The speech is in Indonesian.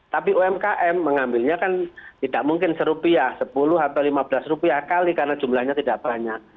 tapi umkm mengambilnya kan tidak mungkin serupiah sepuluh atau lima belas rupiah kali karena jumlahnya tidak banyak